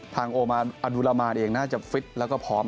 โอมานอดูลามานเองน่าจะฟิตแล้วก็พร้อม